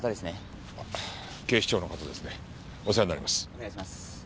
お願いします。